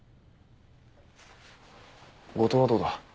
後藤はどうだ？